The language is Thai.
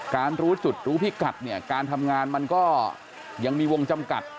รู้จุดรู้พิกัดเนี่ยการทำงานมันก็ยังมีวงจำกัด